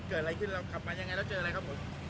เกิดอะไรขึ้นเราขับมายังไงแล้วเจออะไรครับผม